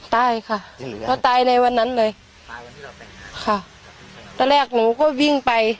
ตายค่ะแล้วตายในวันนั้นเลยตอนแรกหนูก็วิ่งไป